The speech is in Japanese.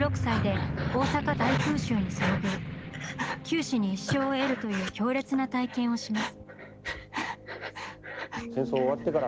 九死に一生を得るという強烈な体験をします。